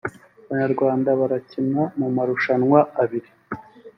abanyarwanda barakina mu marushanwa abiri